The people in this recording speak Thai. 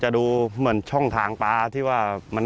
จะดูเหมือนช่องทางปลาที่ว่ามันน่าจะวิ่งนะครับ